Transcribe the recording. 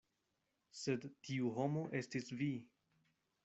Sed tiu homo estis vi.